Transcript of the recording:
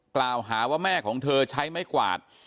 กล่าวหาว่าแม่ของเธอใช้ไม้กวาด